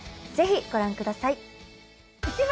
ぜひご覧ください。